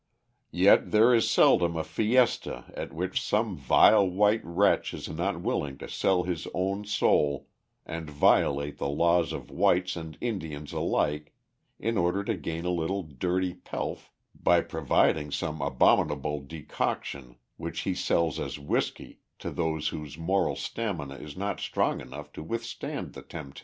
Yet there is seldom a fiesta at which some vile white wretch is not willing to sell his own soul, and violate the laws of whites and Indians alike, in order to gain a little dirty pelf by providing some abominable decoction which he sells as whisky to those whose moral stamina is not strong enough to withstand the temptation.